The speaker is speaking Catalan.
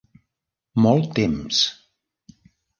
Molt temps.